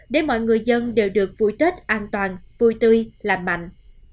để mọi người dân đều được vui tết an toàn vui tươi lành mạnh